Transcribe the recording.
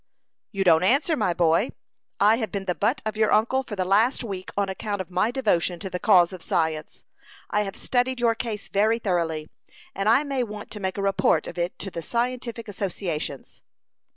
"You don't answer, my boy. I have been the butt of your uncle for the last week on account of my devotion to the cause of science. I have studied your case very thoroughly, and I may want to make a report of it to the scientific associations."